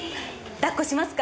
抱っこしますか？